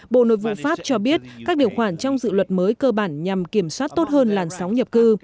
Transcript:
bộ nội vụ pháp cho biết các điều khoản trong dự luật mới cơ bản nhằm kiểm soát tốt hơn làn sóng nhập cư